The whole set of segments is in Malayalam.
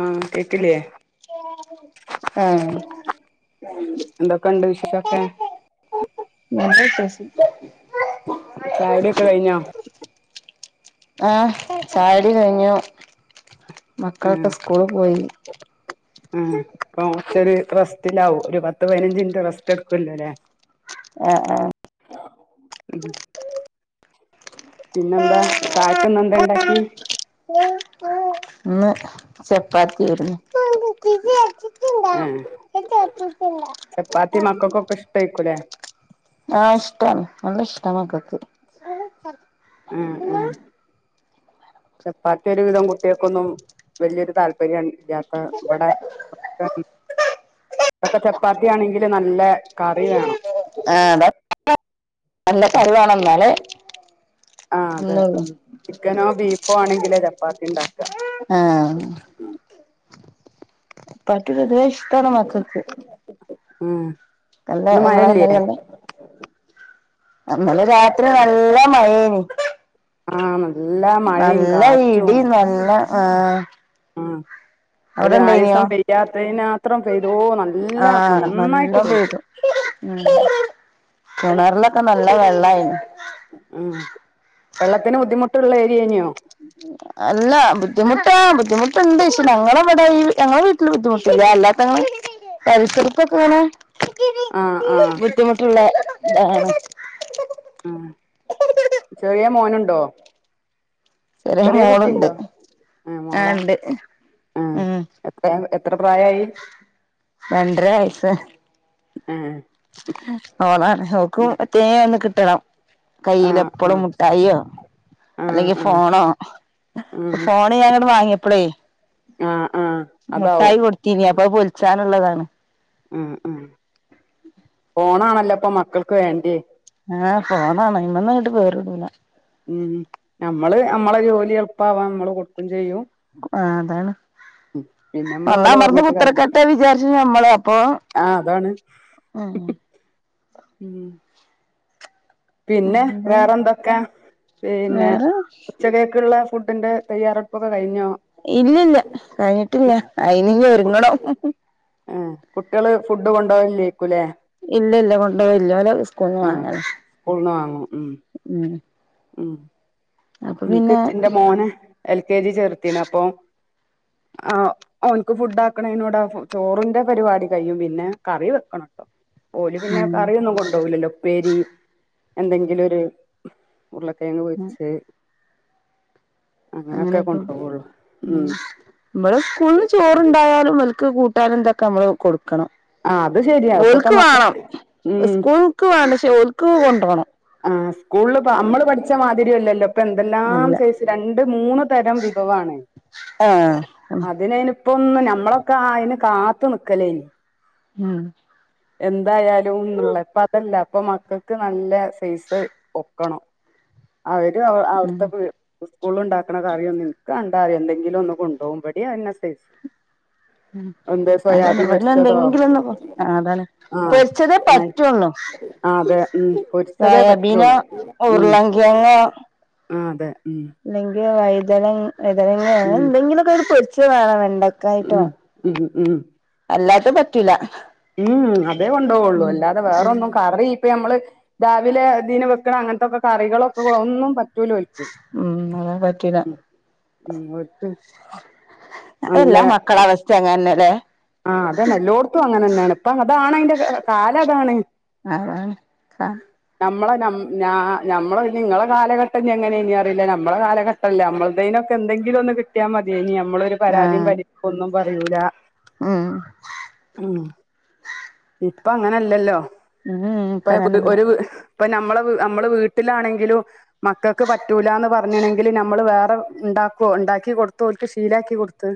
ആഹ് കേക്കില്ലേ ആഹ് ഏഹ് എന്തൊക്കണ്ട് നല്ല വിശേഷം ചായൊടിക്ക കഴിഞ്ഞോ ആഹ് ചായുടി കഴിഞ്ഞു ആഹ് മക്കളൊക്കെ സ്കൂള് പോയി [inaudible] ആഹ് പ്പൊ കൊറച്ചൊരു റസ്റ്റിലാവും ഒരു പത്ത് പതിനഞ്ച് മിനിറ്റ് റെസ്റ്റ് എടുക്കല്ലോ ലേ ആഹ് ആഹ് ഉം പിന്നെന്താ ചായക്ക്ന്ന് എന്താ ണ്ടാക്കി ഇന്ന് ചപ്പാത്തിയാരുന്നു ആഹ് [unintelligible] തായ്ക്കൂല്ലേ? ആഹ് ഇഷ്ടം ഒന്ന് ഇഷ്ടങ്ങൾക്ക് ഒത്തിരി ഉം ഉം ചപ്പാത്തിയൊന്നുംഒരു വിധം കുട്ടികക്കൊന്നും വലിയ ഒരു താല്പര്യ [unintelligible] ഇതൊക്കെ ചപ്പാത്തിയാണെങ്കിൽ നല്ല കറി വേണം. ആഹ് [unintelligible] കറി വേണം എന്നാല് ആഹ് അതെ ഉം ചിക്കനോ ബീഫോ ആണെങ്കില് ചപ്പാത്തി ഉണ്ടാക്കുക. ആഹ് [unintelligible] ഇഷ്ടമാണ് മക്കൾക്ക് ഉം. ഇന്ന് മഴയില്ലേ [unintelligible] നമ്മള് രാത്രി നല്ല മഴയേനി ആഹ് നല്ല മഴയും നല്ല കാറ്റും ഇടിയു നല്ല ആ ഉം. ഒരു അവിടെ ഇണ്ടായിനോ ആയസം പെയ്യാത്തതിനന്ത്രം പെയ്തുനല്ല ആഹ് നന്നായിട്ട് നല്ലോം പെയ്തു. ഉം കിണറിലൊക്കെ നല്ല വെള്ളയിരുന്നു. ഉം വെള്ളത്തിന് ബുദ്ധിമുട്ടുള്ള ഏരിയേനോ? അല്ല ബുദ്ധിമുട്ടാ ബുദ്ധിമുട്ടുണ്ട് ഞങ്ങളെ ഇവിടെ ഈ ഞങ്ങളടെ വീട്ടില് ബുദ്ധിമുട്ടില്ല. അല്ലാത്തങ്ങള് [unintelligible] ആഹ് ആഹ് ബുദ്ധിമുട്ട് ഉള്ളേ അഹ് ഉം ചെറിയ മോനുണ്ടോ? ചെറിയ കുട്ടിയുണ്ടോ? ഏ ആ മോളാ ഇണ്ട് ഉം എത്ര എത്ര പ്രായ യായി? രണ്ടര വയസ് ആയി ആഹ് ഓളാ ആണ് ഓക്ക് പ്രത്യേകം ഒന്ന് കിട്ടണം. ആഹ് കയ്യിൽഎപ്പഴും ആഹ് മുട്ടായിയോ ആഹ് അല്ലെങ്കി ആഹ് ഫോണോ ഉം ഫോൺ ഞാനൊന്ന് വാങ്ങിയപ്പോളേ ആഹ് ആഹ് അതാവും മുട്ടായി കൊടുത്തീനി അപ്പൊ പൊലിച്ചാനുള്ളതാണ്. ഉം ഉം ഫോണാണല്ലോ ഇപ്പൊ മക്കൾക്ക് വേണ്ടിയേ. ആഹ് ഫോണാണ് അതിമേ ഇങ്ങട്ട് കേറു ഇല്ല. ഉം നമ്മള് നമ്മടെ ജോലി എളുപ്പവാൻ നമ്മള് കൊടുക്കയും ചെയ്യും. ആഹ് അതാണ്. ഉം പിന്നെ നമ്മള് ഓലെ ഒന്നമർന്ന് പറഞ്ഞിട്ട് കാര്യ കുത്തിരിക്കട്ടെവിചാരിച്ച് നമ്മള് അപ്പൊ ആഹ് അതാണ് ഉം ഉം പിന്നെ എന്ത് വേറെ എന്തൊക്കെയാ? പിന്നെ വേറെ ഉച്ചക്കേക്കുള്ള ഫുഡിന്റെ തയ്യാറെടുപ്പൊക്കെ കഴിഞ്ഞോ? ഇല്ലില്ല കഴിഞ്ഞിട്ടില്ല അയിനി ഒരുങ്ങണം. ആഹ് കുട്ടികള് ഫുഡ് കൊണ്ടപോകില്ലായിരിക്കും അല്ലേ? ഇല്ലില്ല കൊണ്ടുപോയില്ല പോലെ ഓല് സ്കൂൾന്ന് വാങ്ങല് സ്കൂളിന്ന് വാങ്ങും. ഉം. ഉം ഉം അപ്പൊ എനിക്ക് പിന്നെ എന്റെ മോനേ എൽ കെ ജി ചേർത്തിണ് അപ്പൊ ആ ഓനിക്ക് ഫുഡ് ആക്കണോടെ ചോറിന്റെ പരിപാടി കഴിയും. പിന്നെ കറി വെക്കണംട്ടോ. ഓല് പിന്നെ ഉം കറിയൊന്നും കൊണ്ടോവൂലല്ലോ ഉപ്പേരി എന്തെങ്കിലും ഒര് ഉരുളക്കേങ്ങ് പൊര്ച്ച് അങ്ങനെക്കാെ കൊണ്ടുപോവുള്ളു ഉം ഇവടെ സ്കൂൾല് ചോറ്ണ്ടായാലും ഇവൽക്ക് കൂട്ടാനും ഇന്തൊക്കെ അമ്മള് കൊടുക്കണം ആ അത് ശരിയാ ഇപ്പത്തെ ഇവൽക്ക് വാണം മക്കൾക്ക് ഉം സ്കൂൾക്ക് വേണ്ട ക്ഷേ ഓല്ക്ക് കൊണ്ടാേണം ആഹ് സ്കൂൾല് പ്പ അമ്മള് പഠിച്ച മാതിരിയല്ലല്ലോ ഇപ് ഇപ്പ എന്തെല്ലാം അല്ല സൈസ് രണ്ട് മൂന്ന് തരം വിഭവാണ് ആഹ് അതിനയ്ന്പ്പം ഒന്ന് ഞമ്മളൊക്കെ അയിന് കാത്ത് നിക്കലേയിനി ഉം എന്തായാലും ന്ന്ള്ള ഇപ്പ അതല്ല ഇപ്പൊ മക്കക്ക് നല്ല സൈസ് ഒക്കണം അവര് അവ ഉം അവ്ട്ത്തെ പ് സ്കൂൾല്ഇണ്ടാക്ക്ണ കറിയൊന്നും ഇൻക്കാണ്ടാറയും എന്തെങ്കിലും ഒന്ന് കൊണ്ടാേവും ഇവടിം അഅന്നെ സ്ഥിതി അതന്നെ പൊരിച്ചതോ ഇവട്ന്നെന്തെങ്കിലും ഒന്ന് ആഹ് അതാണ് ആഹ് പൊര്ച്ചതേ ആഹ് പറ്റൊള്ളു ആഹ് അതെ ഉം പൊരിച്ചതേ പറ്റാെള്ളൂ ഉം ഉരുളങ്കിഴങ്ങോ ഉം അതെ ഉം അല്ലെങ്കി വൈതന വൈതനങ്ങെ അങ്ങനെ ഉം എന്തെങ്കിലൊക്കാെര് പൊരിച്ചെ വേണം വെണ്ടക് ഉം ഉം ഉം അല്ലാത്ത പറ്റൂല ഹ്ഹും അതേ കൊണ്ടോവൊള്ളു അല്ലാതെ വേറൊന്നും കറി ഇപ്പ നമ്മള് രാവിലെ ഇതീന് വെക്ക്ണ അങ്ങൻത്തൊക്കെ കറികളൊക്കെ ഒന്നും പറ്റ് റ്റൂല ഓൽക്ക്‌ ഉം അത് പറ്റൂല ഉം ഓൽക്ക് നല്ല അഎല്ലാ മക്കള അവസ്ഥ അങ്ങനന്നെല്ലേ ആഹ് അതെന്നെ എല്ലോട്ത്തും അങ്ങനെന്നെയാണ് ഇപ്പം അതാണ് അയ്ന്റെ കാലം അതാണ് അആണ് ആഹ് നമ്മളെ ഞം നാ നമ്മള് പിന്നിം ഇങ്ങളെ കാലഘട്ടഞെ എങ്ങനേനി അറിയില്ല നമ്മളെ കാലഘട്ട് അല്ല നമ്മൾതേനൊക്കെ എന്തെങ്കിലും ഒന്ന് കിട്ട്യാ മതിയേനി നമ്മളൊരു പരാതിയും ആഹ് പരിപ്പ് ഒന്നും പറയൂലാ ഉം ഉം ഇപ്പ അങ്ങനെ അല്ലല്ലോ ഉം ഇപ്പ നമ്മക്ക് അങ്ങനല്ല ഒരു വ് ഇപ്പ നമ്മളെ വ് നമ്മള് വീട്ടിലാണെങ്കിലും മക്കക്ക് പറ്റൂലാന്ന് പറഞ്ഞ്ണെങ്കില് നമ്മള് വേറെ ഇണ്ടാക്കോ ഇണ്ടാക്കി കൊട്ത്തു ഓൽക്ക് ശീലാക്കി കൊട്- ത്ത്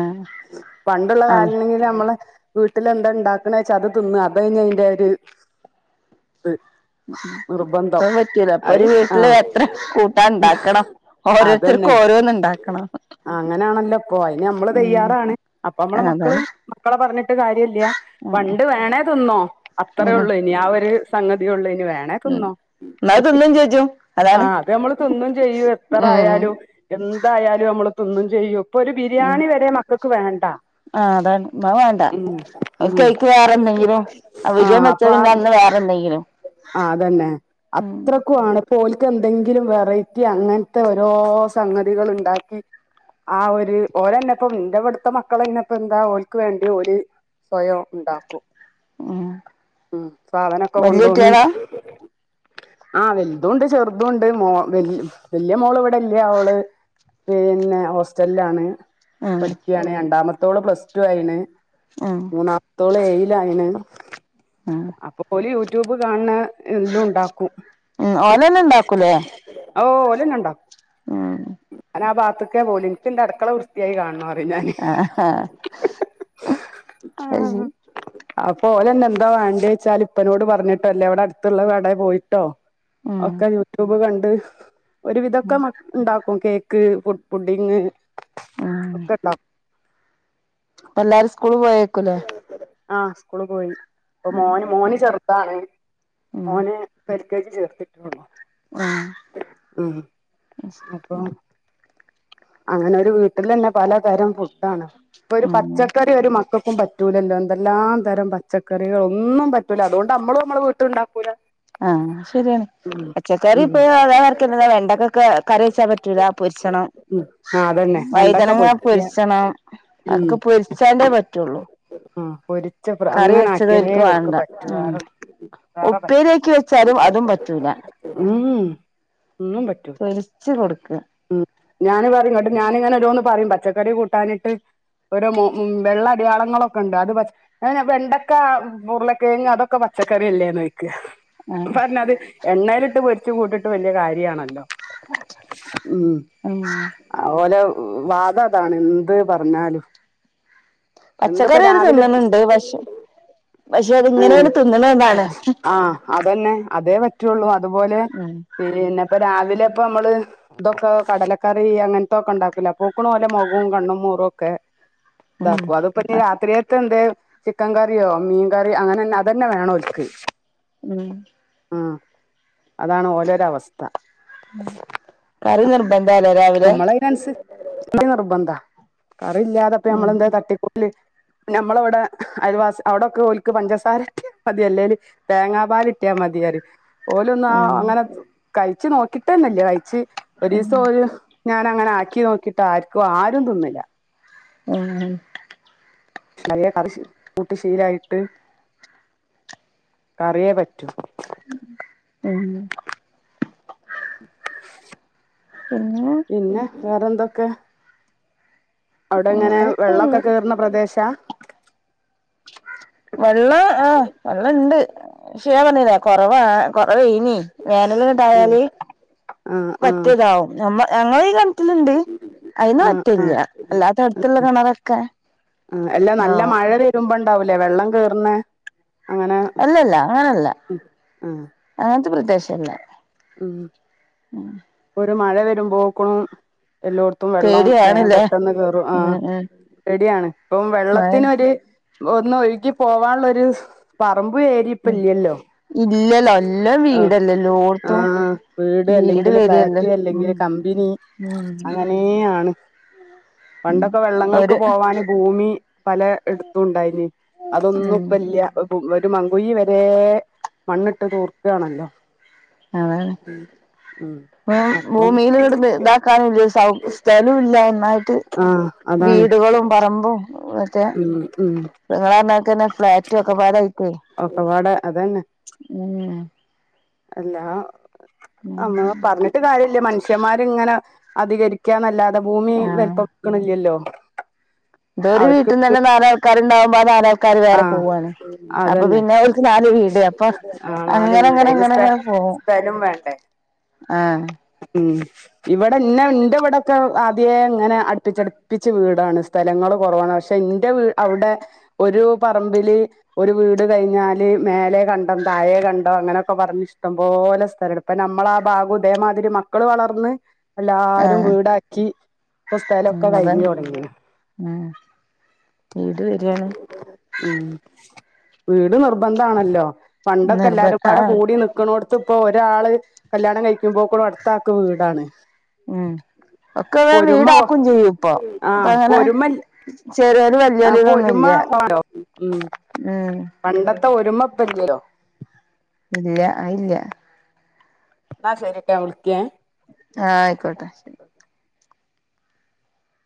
ആഹ് പണ്ട്ള്ള കാല്ണെങ്കില് നമ്മള് വീട്ടില് എന്താ ഇണ്ടാ ക്ക്ണേച്ചാ അത് തിന്നാ അതയ്നി അയ്ന്റെ ഒരു ഇത് നിർബന്ധം ഇപ്പ്ൾഅ് പറ്റൂല അത് ഇപ്പൊഒരു വീട്ടില് ആഹ് എത്ര കൂട്ടാൻ ഇണ്ടാക്കണം അതന്നെ ഓരോര്ത്തർക്കും ഓരോന്ന് ഇണ്ടാക്കണം അങ്ങനാണല്ലോ ഇപ്പൊ അയിന് നമ്മള് തയ്യാറാണ് അപ്പ അമ്മളെ മക്കള് അതാണ് മക്കളെ പറഞ്ഞ്ട്ട് കാര്യല്ല ഉം പണ്ട് വേണേ തിന്നോ അത്രേ ഉം ഒള്ളേനി ആ ഒരു സംഗതിയ ഒള്ളേനി വേണ ഉം ണേതിന്നോ എന്നാ തിന്നും ചോജും അതാണ് ആഹ് അത് നമ്മള് തിന്നും ചെയ്യും എത്ര ഉം ആയാലും എന്തായാലും അമ്മള് തിന്നും ചെയ്യും ഇപ്പൊ ഒരു ഉം ബിരിയാണി വരെ മക്കക്ക് വേണ്ട ആ അതാണ് എന്നാ വേണ്ട ഉം ഓൽക്ക് ഉം അയ്ക്ക് വേറെ എന്തെങ്കിലും അവിരിയൻ ആഹ് വെച്ച അപ്പൊ ആ പിന്നെ അന്ന് വേറെ എന്തെങ്കിലും ആഹ് അതന്നെ ഉം അത്രക് ക്കും ആണ് ഇപ്പ ഓൽക്ക്‌ പ്പോ എന്തെങ്കിലും വെറൈറ്റി അങ്ങൻത്തെ ഓരോ സംഗതികള് ഇണ്ടാക്കി ആ ഒര് ഓരന്നെപ്പ ഇന്റെ ഇവട്ത്തെ മക്കളയ്നപ്പന്താ ഓൽക്ക് വേണ്ടി ഓല് സ്വയം ഇണ്ടാക്കും ഉം ഉം സാധനൊക്കെ വല്യ കൊണ്ടോന്ന് കുട്ടികളാ ആഹ് വൽതൂണ്ട് ചെറുതൂണ്ട് മോ വൽ വല്ല്യ മോള് ഇവിടെല്ല ഓള് പിന്നെ ഹോസ്റ്റൽലാണ് ഉം പഠിക്ക്യയാണ് രണ്ടാമത്തോള് പ്ലസ് ടു ആയിണ് ആഹ് മൂന്നാമത്തോള് ഏഴിലായിണ് ആഹ് അപ്പോ ഓല് യൂട്യൂബ് കാണ്ണ എല്ലാം ഉണ്ടാക്കും ഉം ഓല് തന്നെ ഉണ്ടാക്കൂലേ ഓഹ് ഓലന്നേ ഉണ്ടാകും ഏഹ് ഞാന് ആ ഭാഗത്തേക്കേ പോലെ, എനിക്ക് എന്റെ അടുക്കള വൃത്തിയായി കാണണം. പറയും ഞാന് ആഹ് ആ അത് ശരി അപ്പോ ഓര്ന്നെന്താ വേണ്ടി വെച്ചാൽ ഇപ്പനോട് പറഞ്ഞിട്ടോ അല്ലേ ഇവിടെ അടുത്തുള്ള കടയിൽ പോയിട്ടോ ഉം ഒക്കെ യൂട്യൂബ് കണ്ട് ഒരു വിധം ഒക്കെ ഉം ഉണ്ടാക്കും കേക്ക് പു പുഡിങ് ഉം ഒക്കെ ഉണ്ടാക്കും എല്ലാരും സ്കൂള്ല് പോയേക്കുല്ലേ ആഹ് സ്കൂള് പോയി. അപ്പൊ മോന് മോന് ചെറുതാണ് ഉം മോന് ചേർത്തിട്ട് ഒള്ളു ആഹ് മം അപ്പൊ അങ്ങനെ ഒരു വീട്ടിൽ തന്നെ പലതരം ഫുഡാണ്. ഇപ്പൊ ഒരു ആഹ് പച്ചക്കറി ഒരു മക്കൾക്കും പറ്റൂലല്ലോ എന്തെല്ലാം തരം പച്ചക്കറികള് ഒന്നും പറ്റൂല അതുകൊണ്ട് നമ്മള് നമ്മളെ വീട്ടിലുണ്ടാക്കു ക്കൂല ആഹ് ശരിയാണ് പച്ചക്കറി ഉം ഇപ്പോ അതാമാതിരി തന്നെ വർക് വെണ്ടക്കൊക്കെ കറി വെച്ചാൻ പറ്റൂല പൊരിച്ചണം ഉം ആ അതന്നെ വെണ്ടക്ക വഴുതനങ്ങ പൊരിക്ക പൊരിച്ചണം, അതൊക്കെ പൊരിച്ചാണ്ടേ പറ്റുള്ളൂ ആഹ് പൊരിച്ച കറി വെച്ചത് അങ്ങനാക്കിയതെ ഓൽക്ക് ഒര്ക്ക് പറ്റുള്ളൂ ഉപ്പേരിആക്കിവെച്ചാലും അതും പറ്റൂല ഉം ഉും ഒന്നുംപറ്റും രിച്ച് കൊടുക്കുക ഞാന് പറയും ഇങ്ങട്ട് ഞാനിങ്ങനെ ഓരോന്ന് പറയും പച്ചക്കറി കൂട്ടാഞ്ഞിട്ട് ഒരോ മം വെള്ളഅടയാളങ്ങളൊക്കെ ഉണ്ട് അത് പറ്റ് അങ്ങന വെണ്ടക്കാ, ഉരുളക്കിഴങ്ങ് അതൊക്കെ പച്ചക്കറി അല്ലേന്ന് ചോദിക്കുവാ അപ്പൊ ആഹ് പറഞ്ഞത് എണ്ണയിലിട്ട് പൊരിച്ച് കൂട്ടിട്ട് വലിയ കാര്യമാണല്ലോ ഉം മം ഓറെ വാദം അതാണ് എന്ത് പറഞ്ഞാലും എന്താപ്പൊ പച്ചക്കറി ഓല് രാവിലെ തിന്ന്ണണ്ട് പക്ഷെ പക്ഷെ ആഹ് അതിങ്ങനെയാണ് തിന്ന്ണതാണ് ആഹ് ആ അതന്നെ അതേ പറ്റുള്ളൂ അതുപോലെ ഉം പിന്നെ എപ്പോ രാവിലെ ഇപ്പോ നമ്മള് ഇതൊക്ക കടലക് കറി അങ്ങനത്തൊക്കെ ഉണ്ടാക്കൂലെ. അപ്പൊക്കണ് ഓലെ മുഖവും കണ്ണും മോറും ഒക്കെ ഉം ഇതാകും അതിപ്പോ ഇനി രാത്രിക്ക് എന്താ ചിക്കൻ കറിയോ, മീൻ കറിയോ അങ്ങനെന്നെ അതന്നെ വേണം ഓർക്. ഉം മം അതാണ് ഓരെ ഒര്അവസ്ഥ കറി നിർബന്ധമാണല്ലോ രാവിലെ [unintelligible] നിർബന്ധ കറി ഇല്ലാതിപ്പോ നമ്മള് ഉം എന്താ തട്ടിക്കൂട്ട് അപ്പൊ നമ്മളവിടെ അയൽവാസ് അവിടെയൊക്കെ ഒലക്ക് പഞ്ചസാര മതി അല്ലേല് തേങ്ങാപാല് കിട്ടിയ മതി പറയും. ഓല് ഒന്ന് ആ ഉം അങ്ങനെ കഴിച്ചു നോക്കിട്ടേന്നല്ല. കഴിച്ച് ഒരു ദിവസം ഓര് ഞാൻ അങ്ങനെ ആക്കി നോക്കിട്ട് ആർക്കും ആരും തിന്നില്ല ഉം നല്ല കറി ശീ കൂട്ടി ശീലായിട്ട് കറിയേ പറ്റൂ ഉം ഉമ്മ് പിന്നെ വേറെന്തൊക്കെ അവിടെ ഇങ്ങനെ വേറെക്കെ വെള്ളമൊക്കെ ഉള്ളു കയറുന്ന പ്രദേശാ വെള്ളം ആഹ വെള്ളം ഇണ്ട് പക്ഷേ ഞാൻ പറഞ്ഞില്ലാ കുറവാനാണ് കുറവാനെ ഇനി വേനൽ ആഹ് പാല് ആഹ് ആഹ് വറ്റിതാവും നമ്മ ഞങ്ങളീ കീ ണ്ട് അതിന് ആഹ് വറ്റലില്ല ആഹ് അല്ലാത്തടുത്തുള്ള കിണറൊക്കെ ഉ എല്ലാം നല്ല ഇതാവും മഴ വരുമ്പോണ്ടാവൂലേ വെള്ളം കേർണഅങ്ങനെ അല്ലല്ല അങ്ങനെയല്ല അങ്ങനത്തെ പ്രദേശം അല്ല ഉം ഒരു മഴ വരുമ്പോക്കണ എല്ലോടത്തും വെള്ളം വേൻ പേടിയാണ്ല്ലേ പെട്ടെന്ന് കയറും ആ ഉം ഉം ശരിയാണ് പ്പം മഴ വെള്ളത്തിനൊരു ഒന്ന് ഒഴുകി പോവാനുള്ളൊരു പറമ്പു ഏരി'പ്പ ഉം ഇൽയല്ലോ ഇല്ലല്ലോ എല്ലാം ആ വീടല്ലേ എല്ലോട്ത്തും ഹ വീട് അല്ലെങ്കിൽ വരല്ലേ ഫ്ളാറ്റ് അല്ലെങ്കിൽ ഉം കമ്പിനി ഉം അങ്ങനെയ ആണ് ഉം പണ്ടൊക്കെ വെള്ളങ്ങൾക്ക് ഒരു പോവാന് ഭൂമി പല എടുത്തുംണ്ടായിന് അതൊന്നും ഉം ഇപ്പല്ല ഒരു മങ്കുയി വരെ മണ്ണിട്ട് തൂർക്കാണല്ലോ അതന്നെ ഉം ഭൂ അപ്പൊ ഭൂമിൽ ഇങ്ങട്ട് ഇതാക്കാന സൗ സ്ഥലം ഇല്ല ഒന്നായിട്ട് ആഹ അഹ വീടുകളും, പറമ്പും ഉം ഉം അതെ മാരിക്കന്നെ ഫ്ലാറ്റും ഒക്കെ പ്പാടെ ആയിട്ടേ ഒക്കപാടെ അതന്നെ. അതന്നെ അല്ല നമ്മ പറഞ്ഞിട്ട് കാര്യല്ല, മനുഷ്യന്മാരി ഇങ്ങനെ അധികരിക്കാന്നല്ലാതെ ഭൂമി വെലുപ്പ ആഹ് വെക്കണില്ലല്ലോ. ഇതൊര് അവർക്ക് വീട്ടന്ന്ന്നെ നാൾക്കാരുണ്ടാക്മ്പോ ആ നാലാ കാര് വേറെ ആഹ് പോവുവാണ് അപ്പൊ അതന്നെ പിന്നെ അവർക്ക് നാല് വീട് അപ്പൊ ആഹ് നാല് അങ്ങനെ വീട് അങ്ങനെ അയിന് അങ്ങനെ സ്ഥ അങ്ങനെ പോവും. സ്ഥലം വേണ്ടേ? ആഹ ഉം ഇവിടെ ഇന്നെ എന്റെ ഇവിടെക്കെ ആദ്യേ ഇങ്ങനെ അടുപ്പിച്ചടുപ്പിച്ച് വീടാണ്. സ്ഥലങ്ങള് കുറവാണ് പക്ഷെ എന്റെ അവ്ടെ ഒരു പറമ്പില് ഒരു വീട് കഴിഞ്ഞാല് മേലെ കണ്ടോ തായെ കണ്ടോ അങ്ങനെയൊക്കെ പറഞ്ഞ ഇഷ്ടംപോലെ സ്ഥലം അപ്പൊ നമ്മളാ ഭാഗം ഇതേമാതിരി മക്കള് വളർന്ന് എല്ലാരും ആഹ് വീടാക്കി പ്പൊ ഉം സ്ഥലൊക്കെ കഴിഞ്ഞു അതാണ് തുടങ്ങിന് ഉം വീട് വരിയാണ്. ഉം വീട് നിർബന്ധമാണല്ലോ, പണ്ടൊക്കെ നിർബ എല്ലാരുംപാടെ ആഹ് കൂടി നിക്കണോട് ത്തിപ്പോ ഒരാള് കല്യാണം കഴിക്കുമ്പോക്ക്ന് അടുത്താക്ക് വീടാണ് ഉം ഒക്കെ വെ പൊരുമ വീടാക്കും ചെയ്യും ഇപ്പൊ അപ്പ ആഹ് അങ്ങനെ പൊരുമ ചെറിയോല് ആ വലിയോല് തൊന്നു പൊരുമ ൽയ്യ വേണോ ഉം പണ്ടത്തെ ഒരുമപ്പല്ലല്ലോ ഇല്ല അഹ്ഇല്ല. എന്നാ ശെരിട്ടൊ വിളിക്കേ ആഹ ആയിക്കോട്ടെ ശരി